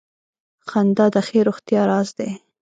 • خندا د ښې روغتیا راز دی.